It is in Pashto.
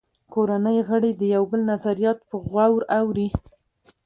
کورنۍ غړي د یو بل نظریات په غور اوري